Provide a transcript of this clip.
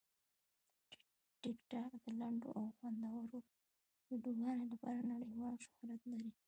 ټیکټاک د لنډو او خوندورو ویډیوګانو لپاره نړیوال شهرت لري.